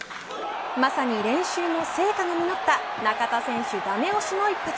まさに、練習の成果が実った中田選手、ダメ押しの一発。